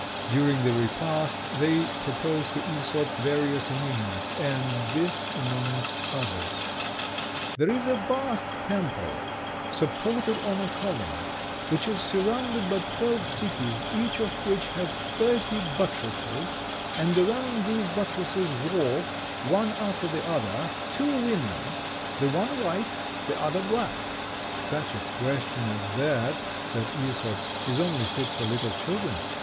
During the repast they proposed to Æsop various enigmas, and this amongst others: "There is a vast temple supported on a column, which is surrounded by twelve cities, each of which has thirty buttresses, and around these buttresses walk, one after the other, two women, the one white, the other black." "Such a question as that," said Æsop, "is only fit for little children.